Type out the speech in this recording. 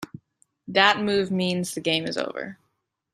That move means the game is over.